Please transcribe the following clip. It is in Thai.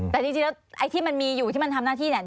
แต่จริงแล้วไอ้ที่มันมีอยู่ที่มันทำหน้าที่เนี่ย